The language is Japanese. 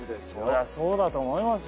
そりゃそうだと思います